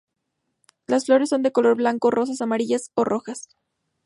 Las flores son de color blanco, rosas, amarillas o rojas.